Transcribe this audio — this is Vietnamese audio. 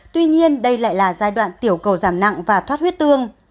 tuy nhiên đây lại là giai đoạn tiểu cầu giảm nặng và thoát huyết tương